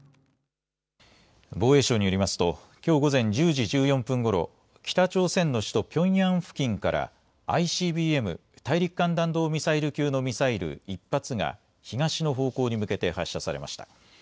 防衛省によりますときょう午前１０時１４分ごろ、北朝鮮の首都ピョンヤン付近からＩＣＢＭ・大陸間弾道ミサイル級のミサイル１発が東の方向に向けて発射されました。